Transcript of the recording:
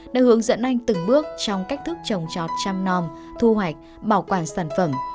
đã hướng dẫn anh từng bước trong cách thức trồng trọt trăm non thu hoạch bảo quản sản phẩm